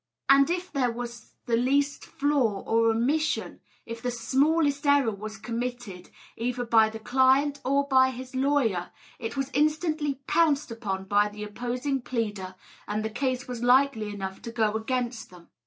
And if there was the least flaw or omission, if the smallest error was committed, either by the client or by his lawyer, it was instantly pounced upon by the opposing pleader, and the case was likely enough to go against them.